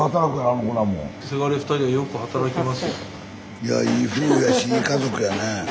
いい夫婦やしいい家族やね。